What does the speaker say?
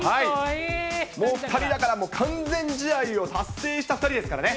もう２人だから、完全試合を達成した２人ですからね。